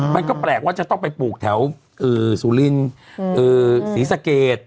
มันก็แปลกว่าจะต้องไปปลูกแถวเอ่อสุรินเอ่อศรีษัตริย์